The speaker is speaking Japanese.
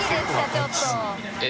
ちょっと。